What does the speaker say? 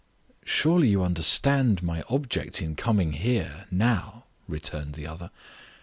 "Surely you understand my object in coming here, now?" returned the other.